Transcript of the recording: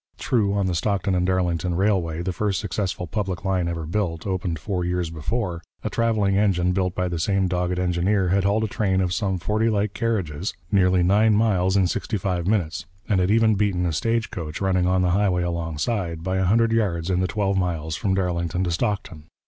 True, on the Stockton and Darlington Railway, the first successful public line ever built, opened four years before, a Travelling Engine, built by the same dogged engineer, had hauled a train of some forty light carriages nearly nine miles in sixty five minutes, and had even beaten a stage coach, running on the highway alongside, by a hundred yards in the twelve miles from Darlington to Stockton.